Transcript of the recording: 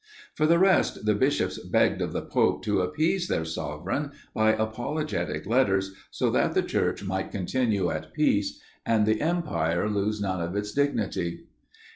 For the rest, the bishops begged of the pope to appease their sovereign by apologetic letters, so that the Church might continue at peace, and the Empire lose none of its dignity.